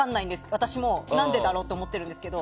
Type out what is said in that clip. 私も何でだろうと思ってるんですけど。